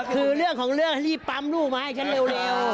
คือเรื่องของเรื่องรีบปั๊มลูกมาให้ฉันเร็ว